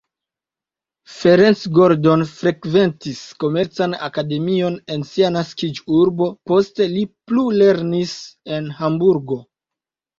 Ferenc Gordon frekventis komercan akademion en sia naskiĝurbo, poste li plulernis en Hamburgo.